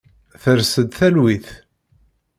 Ters-d talwit.